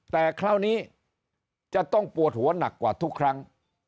แต่คราวนี้จะต้องปวดหัวหนักกว่าทุกครั้ง